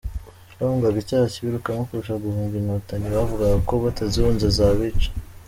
Bahungaga icyaha kibirukamo kurusha guhunga Inkotanyi bavugaga ko batazihunze zabica.